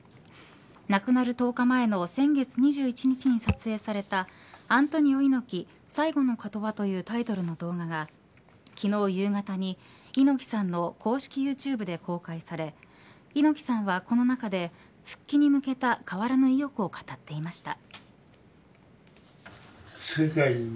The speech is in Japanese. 亡くなる１０日前の先月２１日に撮影されたアントニオ猪木、最期の言葉というタイトルの動画が昨日、夕方に猪木さんの公式ユーチューブで公開され猪木さんはこの中で復帰に向けた変わらぬ意欲を語っていました。